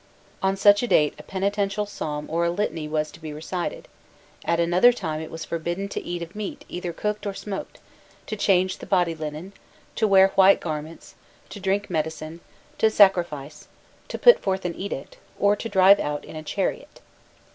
On such a date a penitential psalm or a litany was to be recited; at another time it was forbidden to eat of meat either cooked or smoked, to change the body linen, to wear white garments, to drink medicine, to sacrifice, to put forth an edict, or to drive out in a chariot.